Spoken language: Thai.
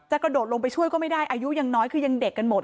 กระโดดลงไปช่วยก็ไม่ได้อายุยังน้อยคือยังเด็กกันหมด